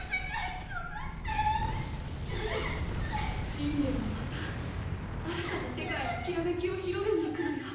りんねはまた新たな世界にきらめきを広めに行くのよ。